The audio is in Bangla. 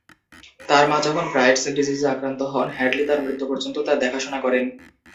তার মা যখন ব্রাইটস ডিজিজে আক্রান্ত হন, হ্যাডলি তার মৃত্যু পর্যন্ত তার দেখাশোনা করেন।